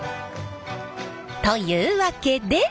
というわけで！